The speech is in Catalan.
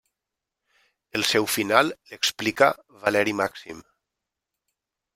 El seu final l'explica Valeri Màxim.